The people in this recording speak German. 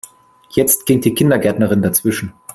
Jetzt ging die Kindergärtnerin dazwischen.